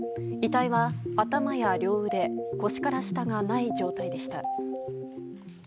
遺体は、頭や両腕腰から下がない状態でした。